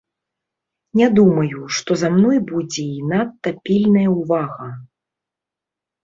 Не думаю, што за мной будзе і надта пільная ўвага.